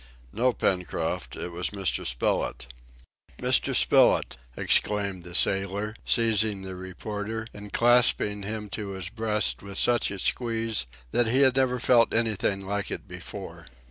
"No, Pencroft, it was Mr. Spilett." "Mr. Spilett!" exclaimed the sailor, seizing the reporter, and clasping him to his breast with such a squeeze that he had never felt anything like it before.